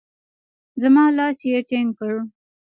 زما لاس يې ټينګ کړ.